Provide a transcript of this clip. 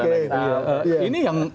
oke ini yang